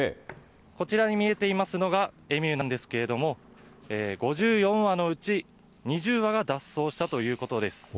こちらに見えていますのが、エミューなんですけれども、５４羽のうち２０羽が脱走したということです。